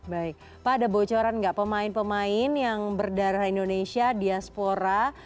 baik pak ada bocoran nggak pemain pemain yang berdarah indonesia diaspora